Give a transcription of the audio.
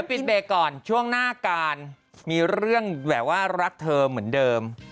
ปิดเบรกก่อนช่วงหน้าการมีเรื่องแบบว่ารักเธอเหมือนเดิม